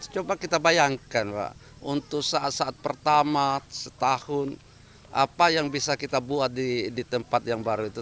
coba kita bayangkan pak untuk saat saat pertama setahun apa yang bisa kita buat di tempat yang baru itu